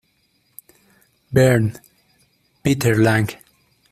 Bern: Peter Lang.